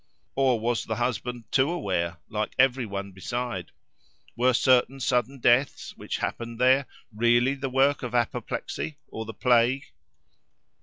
Or, was the husband too aware, like every one beside? Were certain sudden deaths which happened there, really the work of apoplexy, or the plague?